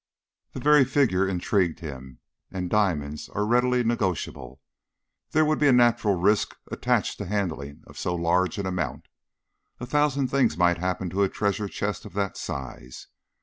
The very figures intrigued him and diamonds are readily negotiable. There would be a natural risk attached to the handling of so large an amount. A thousand things might happen to a treasure chest of that size.